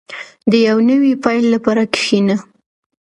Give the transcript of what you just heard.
• د یو نوي پیل لپاره کښېنه.